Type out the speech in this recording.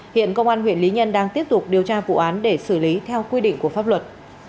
hiện công an huyện lý nhân đang tiếp tục điều tra vụ án để xử lý theo quy định của pháp luật